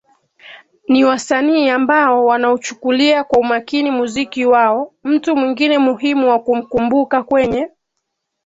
Ni wasanii ambao wanauchukulia kwa umakini muziki wao Mtu mwingine muhimu wa kumkumbuka kwenye